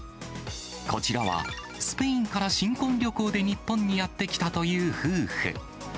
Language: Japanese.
こちらはスペインから新婚旅行で日本にやって来たという夫婦。